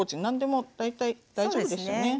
何でも大体大丈夫ですよね。